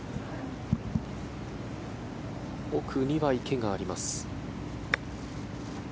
奥には池があります。